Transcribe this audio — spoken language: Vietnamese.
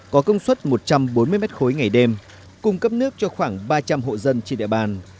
có công suất một trăm bốn mươi m ba ngày đêm cung cấp nước cho khoảng ba trăm linh hộ dân trên địa bàn